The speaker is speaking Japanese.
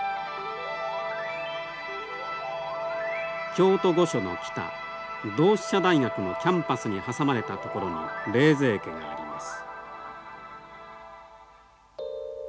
京都御所の北同志社大学のキャンパスに挟まれた所に冷泉家があります。